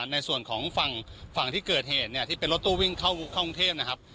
ในส่วนของฝั่งที่เกิดเหตุเนี่ยที่เป็นรถตู้วิ่งเข้ากรุงเทพนะครับ